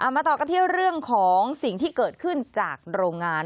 มาต่อกันที่เรื่องของสิ่งที่เกิดขึ้นจากโรงงาน